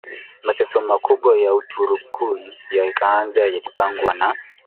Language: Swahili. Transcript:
mateso makubwa ya Waturuki yakaanza Walipangwa na